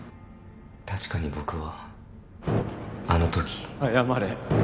確かに僕はあのとき謝れ